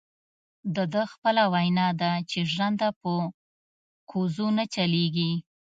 دده خپله وینا ده چې ژرنده په کوزو نه چلیږي.